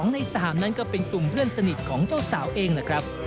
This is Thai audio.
ใน๓นั้นก็เป็นกลุ่มเพื่อนสนิทของเจ้าสาวเองแหละครับ